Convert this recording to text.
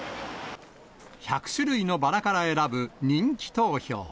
１００種類のバラから選ぶ人気投票。